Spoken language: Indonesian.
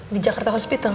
di jakarta hospital